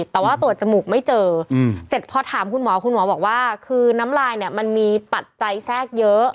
ต่างจากเมื่อกี้ค่ะคุณหมอว่าคือน้ำลายมีปัจจัยแทรกเยอะ